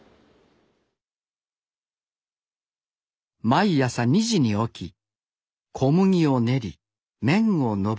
毎朝２時に起き小麦を練り麺をのばし天日に干す。